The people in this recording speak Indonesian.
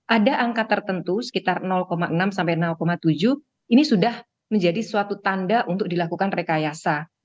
ada angka tertentu sekitar enam sampai tujuh ini sudah menjadi suatu tanda untuk dilakukan rekayasa